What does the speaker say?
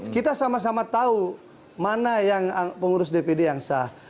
kita sama sama tahu mana yang pengurus dpd yang sah